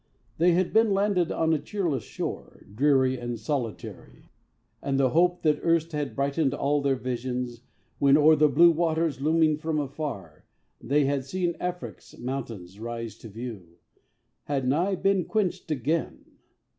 They had been landed on a cheerless shore, Dreary and solitary; and the hope That erst had brightened all their visions, when, O'er the blue waters looming from afar, They had seen Afric's mountains rise to view, Had nigh been quenched again.